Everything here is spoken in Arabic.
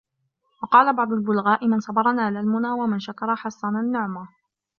وَقَالَ بَعْضُ الْبُلَغَاءِ مَنْ صَبَرَ نَالَ الْمُنَى ، وَمَنْ شَكَرَ حَصَّنَ النُّعْمَى